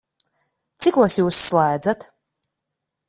Cikos Jūs slēdzat?